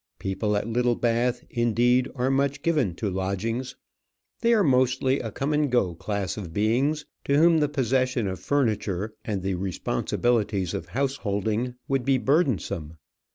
People at Littlebath, indeed, are much given to lodgings. They are mostly a come and go class of beings, to whom the possession of furniture and the responsibilities of householding would be burdensome.